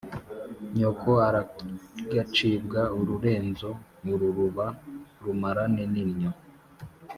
nyoko aragacibwa ururezo ururuba rumarane n'innyo